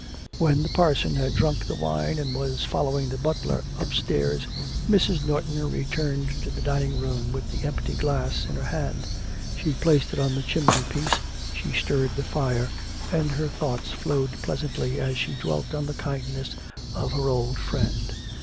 When the parson had drunk the wine, and was following the butler upstairs, Mrs. Norton returned to the dining room with the empty glass in her hand. She placed it on the chimney piece; she stirred the fire, and her thoughts flowed pleasantly as she dwelt on the kindness of her old friend.